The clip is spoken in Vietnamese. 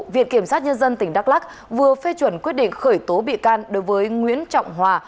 viện kiểm sát nhân dân tỉnh đắk lắc vừa phê chuẩn quyết định khởi tố bị can đối với nguyễn trọng hòa